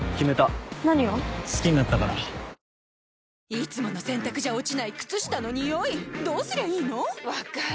いつもの洗たくじゃ落ちない靴下のニオイどうすりゃいいの⁉分かる。